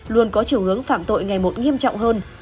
luôn có chiều hướng phạm tội ngày một nghiêm trọng hơn